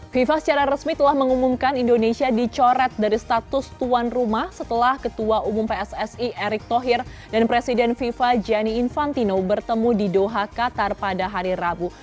fifa secara resmi telah mengumumkan indonesia dicoret dari status tuan rumah setelah ketua umum pssi erick thohir dan presiden fifa gianni infantino bertemu di doha qatar pada hari rabu